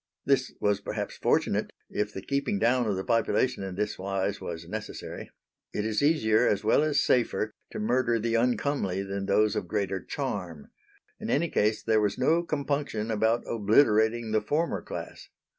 This was perhaps fortunate if the keeping down of the population in this wise was necessary; it is easier as well as safer to murder the uncomely than those of greater charm. In any case there was no compunction about obliterating the former class.